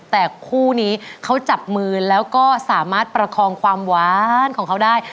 แต่คู่นี้เขาจับมือแล้วก็สามารถประคองความหวานของเขาได้